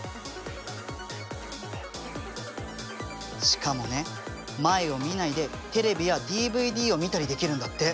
しかもね前を見ないでテレビやＤＶＤを見たりできるんだって。